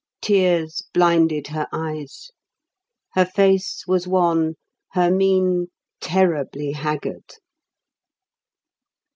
Tears blinded her eyes; her face was wan; her mien terribly haggard.